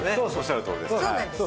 そうなんですよ。